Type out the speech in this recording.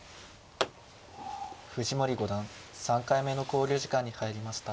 藤森五段３回目の考慮時間に入りました。